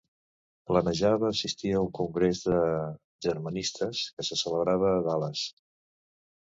Planejava assistir a un congrés de germanistes que se celebrava a Dallas.